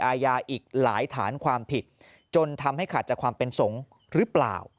อาญาอีกหลายฐานความผิดจนทำให้ขาดจากความเป็นสงฆ์หรือเปล่า